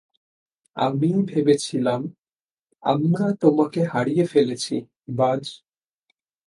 আমি ভেবেছিলাম, আমরা তোমাকে হারিয়ে ফেলেছি, বায!